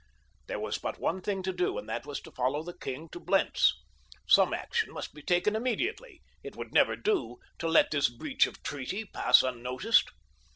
There was but one thing to do and that was to follow the king to Blentz. Some action must be taken immediately—it would never do to let this breach of treaty pass unnoticed.